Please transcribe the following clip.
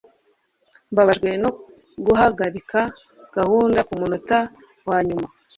Mbabajwe no guhagarika gahunda kumunota wanyuma.